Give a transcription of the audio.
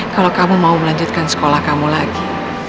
kalau kamu mau melanjutkan sekolah kamu lagi